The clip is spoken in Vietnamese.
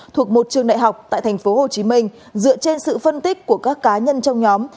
thuộc một trường đại học tại tp hcm dựa trên sự phân tích của các cá nhân trong nhóm